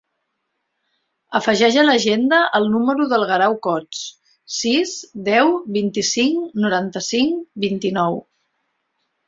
Afegeix a l'agenda el número del Guerau Cots: sis, deu, vint-i-cinc, noranta-cinc, vint-i-nou.